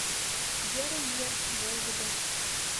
Йырым-йыр волгыдо.